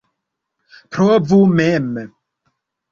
Provu mem!